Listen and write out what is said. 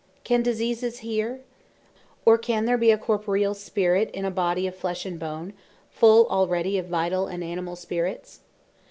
can Diseases heare? or can there be a corporeall Spirit in a Body of Flesh and Bone, full already of vitall and animall Spirits?